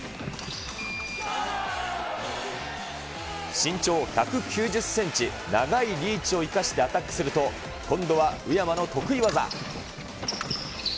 身長１９０センチ、長いリーチを生かしてアタックすると、今度は宇山の得意技。